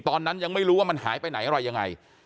ตอนนั้นยังไม่รู้ว่ามันหายไปไหนอะไรยังไง